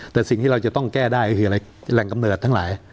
แต่สิ่งที่เราจะต้องแก้ได้ก็คืออะไรแหล่งกำเนิดทั้งหลาย